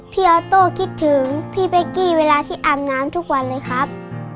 ออโต้คิดถึงพี่เป๊กกี้เวลาที่อาบน้ำทุกวันเลยครับ